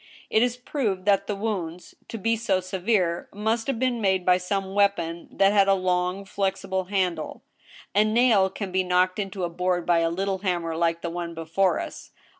It is proved that the wounds, to be so severe, must have been made by some weapon that had a long, flexi ble handle. A nail can be knocked into a board by a little hammer like the one before us.